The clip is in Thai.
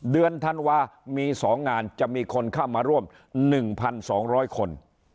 เดือนธันวามี๒งานจะมีคนเข้ามาร่วม๑๒๐๐คน